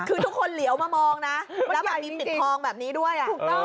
คือทุกคนเหลียวมามองนะแล้วมันมิ้มติดทองแบบนี้ด้วย